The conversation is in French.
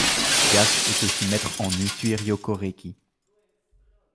Yaphe est aussi maître en Usui Ryoho Reiki.